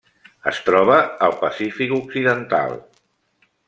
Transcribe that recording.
Es troba al Pacífic occidental.